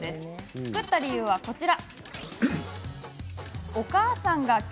作った理由は、こちら。